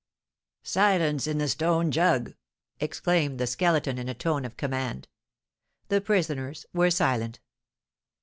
"Silence in the stone jug!" exclaimed the Skeleton, in a tone of command. The prisoners were silent.